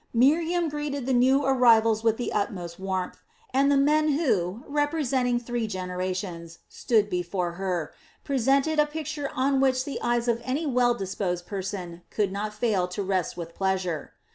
Miriam greeted the new arrivals with the utmost warmth, and the men who, representing three generations, stood before her, presented a picture on which the eyes of any well disposed person could not fail to rest with pleasure.